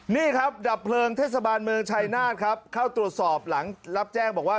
นี่ครับดับเพลิงเทศบาลเมืองชายนาฏครับเข้าตรวจสอบหลังรับแจ้งบอกว่า